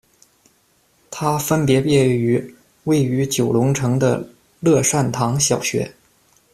他分别毕业于位于九龙城的乐善堂小学。